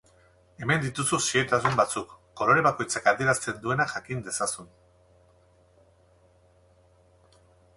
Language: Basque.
Hemen dituzu xehetasun batzuk, kolore bakoitzak adieraten duena jakin dezazun.